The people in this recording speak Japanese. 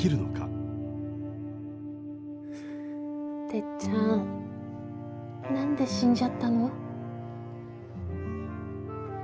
てっちゃん何で死んじゃったの？